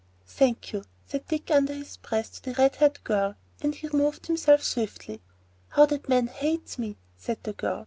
"Thank you," said Dick under his breath to the red haired girl, and he removed himself swiftly. "How that man hates me!" said the girl.